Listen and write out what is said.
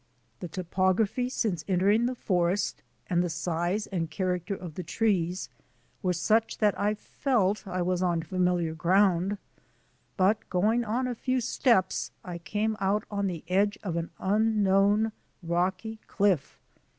The topography since entering the forest and the size and character of the trees were such that I felt I was on familiar ground. But going on a few steps I came out on the edge of an unknown rocky cliff.